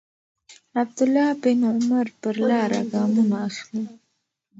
عبدالله بن عمر پر لاره ګامونه اخلي.